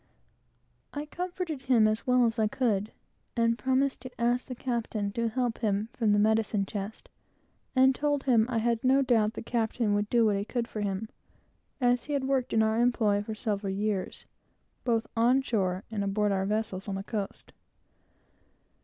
I comforted him as well as I could, and promised to ask the captain to help him from the medicine chest, and told him I had no doubt the captain would do what he could for him, as he had worked in our employ for several years, both on shore and aboard our vessels on the coast.